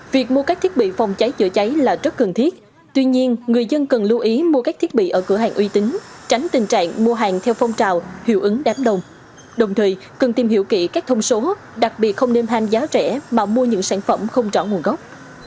việc mua các thiết bị phòng cháy chữa cháy là rất cần thiết tuy nhiên người dân cần lưu ý mua các thiết bị ở cửa hàng uy tín tránh tình trạng mua hàng theo phong trào hiệu ứng đám đồng đồng thời cần tìm hiểu kỹ các thông số đặc biệt không nên ham giá rẻ mà mua những sản phẩm không rõ nguồn gốc